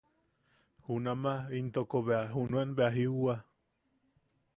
Junama intoko bea junuen bea jiuwa.